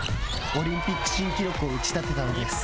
オリンピック新記録を打ち立てたのです。